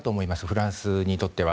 フランスにとっては。